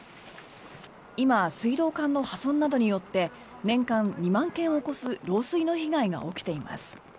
今、水道管の破損などによって年間２万件を超す漏水の被害が起きています。